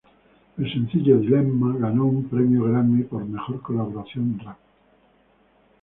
El sencillo "Dilemma" ganó un premio Grammy por "Mejor Colaboración Rap".